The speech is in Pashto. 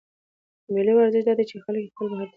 د مېلو یو ارزښت دا دئ، چې خلک خپل مهارتونه ښيي.